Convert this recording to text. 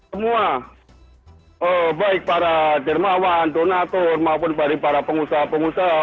semua baik para jermawan donator maupun para pengusaha pengusaha